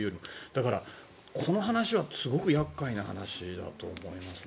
だからこの話はすごく厄介な話だと思います。